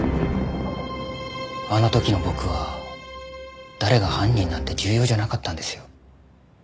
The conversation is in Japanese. あの時の僕は誰が犯人なんて重要じゃなかったんですよ。